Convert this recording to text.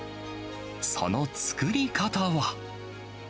その作り方は。